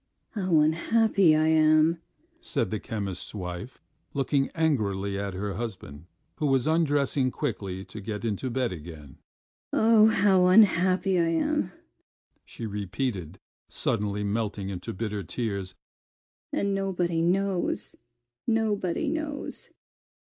"How unhappy I am!" said the chemist's wife, looking angrily at her husband, who was undressing quickly to get into bed again. "Oh, how unhappy I am!" she repeated, suddenly melting into bitter tears. "And nobody knows, nobody knows.